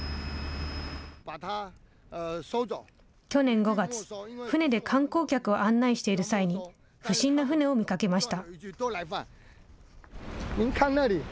去年５月、船で観光客を案内している際に、不審な船を見かけました。